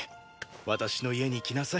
私の家に来なさい。